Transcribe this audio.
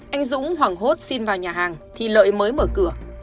anh dũng hoảng hốt xin vào nhà hàng thì lợi mới mở cửa